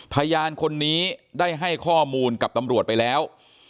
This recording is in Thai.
พยานคนนี้ได้ให้ข้อมูลกับตำรวจไปแล้ว